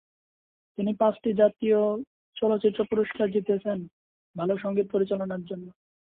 তিনি পাঁচটি জাতীয় চলচ্চিত্র পুরস্কার জিতেছেন ভালো সঙ্গীত পরিচালনার জন্য।